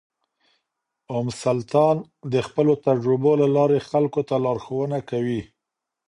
ام سلطان د خپلو تجربو له لارې خلکو ته لارښوونه کوي.